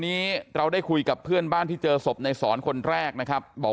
นี้เราได้คุยกับเพื่อนบ้านที่เจอศพในสอนคนแรกนะครับบอก